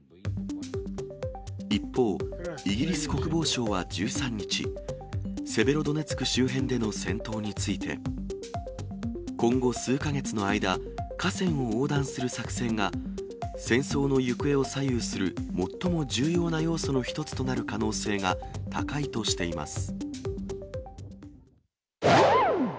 一方、イギリス国防省は１３日、セベロドネツク周辺での戦闘について、今後数か月の間、河川を横断する作戦が、戦争の行方を左右する最も重要な要素の一つとなる可能性が高いとしています。